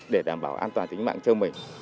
để đảm bảo an toàn tính mạng cho mình